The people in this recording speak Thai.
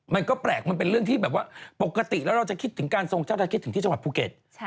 มันก็แปลกมันเป็นเรื่องที่แบบว่าปกติแล้วเราจะคิดถึงการทรงเจ้าพระคิดถึงที่จังหวัดภูเก็ต